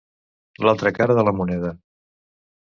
L'altra cara de la moneda.